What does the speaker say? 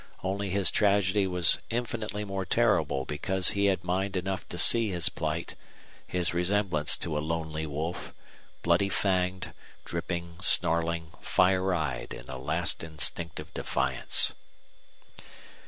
Only his tragedy was infinitely more terrible because he had mind enough to see his plight, his resemblance to a lonely wolf, bloody fanged, dripping, snarling, fire eyed in a last instinctive defiance.